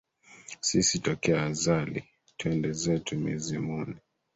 Sisi tokea azali, twenda zetu mizimuni,